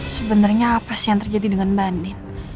sebenarnya apa sih yang terjadi dengan mbak andin